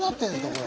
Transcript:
これ。